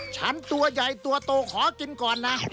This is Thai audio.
ตัวใหญ่ตัวโตขอกินก่อนนะ